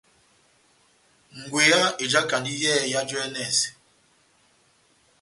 Ngweya ejakandi yɛhɛpi yajú e yɛnɛsɛ.